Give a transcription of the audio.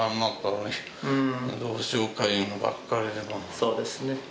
そうですね。